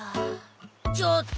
ちょっと！